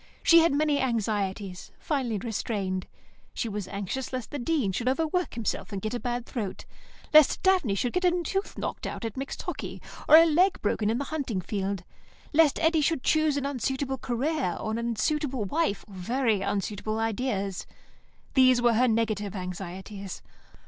She had many anxieties, finely restrained. She was anxious lest the Dean should overwork himself and get a bad throat; lest Daphne should get a tooth knocked out at mixed hockey, or a leg broken in the hunting field; lest Eddy should choose an unsuitable career or an unsuitable wife, or very unsuitable ideas. These were her negative anxieties.